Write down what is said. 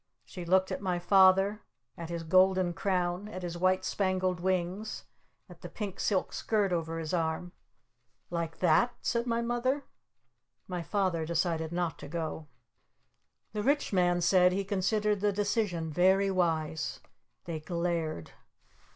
She looked at my Father! At his golden crown! At his white spangled wings! At the pink silk skirt over his arm! "Like that?" said my Mother. My Father decided not to go. The Rich Man said he considered the decision very wise. They glared.